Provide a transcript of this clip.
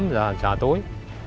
tám giờ trà tối